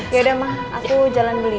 yaudah ma aku jalan dulu ya